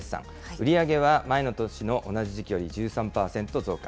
売り上げは前の年の同じ時期より１３％増加。